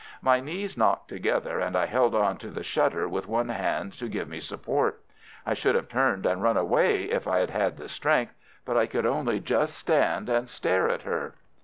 My knees knocked together, and I held on to the shutter with one hand to give me support. I should have turned and run away if I had had the strength, but I could only just stand and stare at her.